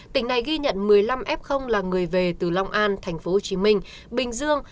tỉnh này ghi nhận một mươi năm f là người về từ long an tp hcm bình dương